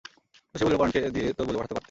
শশী বলিল, পরানকে দিয়ে তো বলে পাঠাতে পারতে?